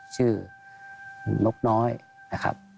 นกน้อยนะครับ